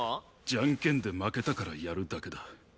ジャンケンで負けたからやるだけだ。